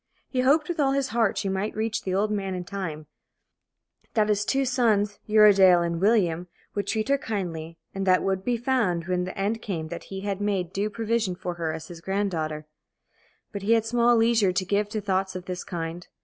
He hoped with all his heart she might reach the old man in time, that his two sons, Uredale and William, would treat her kindly, and that it would be found when the end came that he had made due provision for her as his granddaughter. But he had small leisure to give to thoughts of this kind.